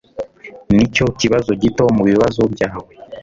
Nicyo kibazo gito mubibazo byawe.